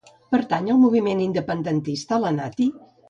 Pertany al moviment independentista la Nati?